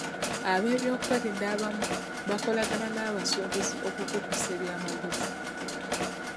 Ab'ebyokwerinda abamu bakolagana n'abasuubuzi okukukusa eby'amaguzi.